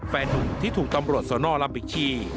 แฟนนุ่มที่ถูกตำรวจสนลำบิชชี